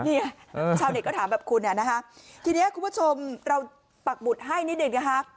เนี่ยชาวเน็ตก็ถามแบบคุณเนี่ยนะคะทีนี้คุณผู้ชมเราปักหมุดให้นิดหนึ่งนะคะ